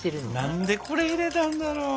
何でこれ入れたんだろう。